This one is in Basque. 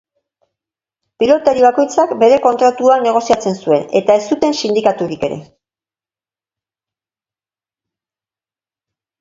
Pilotari bakoitzak bere kontratua negoziatzen zuen, eta ez zuten sindikaturik ere.